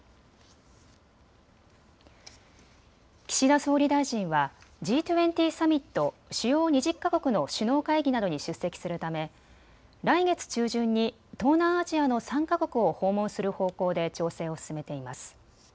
岸田総理大臣はＧ２０サミット・主要２０か国の首脳会議などに出席するため来月中旬に東南アジアの３か国を訪問する方向で調整を進めています。